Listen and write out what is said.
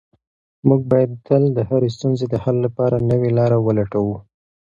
موږ باید تل د هرې ستونزې د حل لپاره نوې لاره ولټوو.